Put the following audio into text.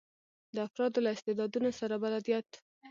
د افرادو له استعدادونو سره بلدیت.